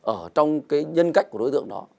ở trong cái nhân cách của đối tượng đó